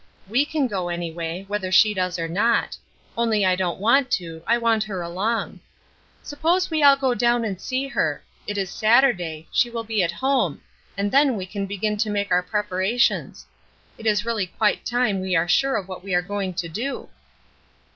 We can go anyway, whether she does or not only I don't want to, I want her along. Suppose we all go down and see her; it is Saturday, she will be at home, and then we can begin to make our preparations. It is really quite time we were sure of what we are going to do."